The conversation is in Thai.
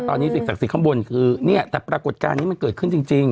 ตอนนี้สิ่งศักดิ์ข้างบนคือเนี่ยแต่ปรากฏการณ์นี้มันเกิดขึ้นจริง